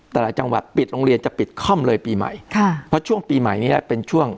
แต่ละจังหวัดปิดโรงเรียนจะปิดค่อมเลยปีใหม่ค่ะเพราะช่วงปีใหม่นี้เป็นช่วง